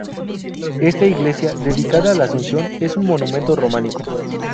Esta iglesia, dedicada a la Asunción, es un monumento románico.